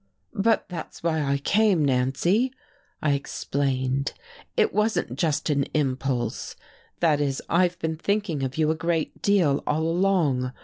"But that's why I came, Nancy," I explained. "It wasn't just an impulse that is, I've been thinking of you a great deal, all along.